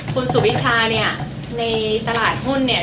คุณสุวิชาเนี่ยในตลาดหุ้นเนี่ย